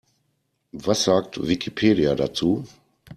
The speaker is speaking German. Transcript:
Was sagt Wikipedia dazu?